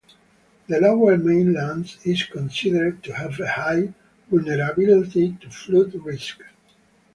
The Lower Mainland is considered to have a high vulnerability to flood risk.